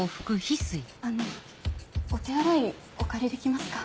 あのお手洗いお借りできますか？